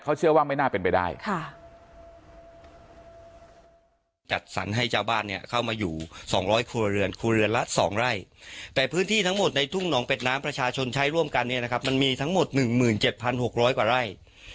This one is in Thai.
เขาเชื่อว่าไม่น่าเป็นไปได้ค่ะ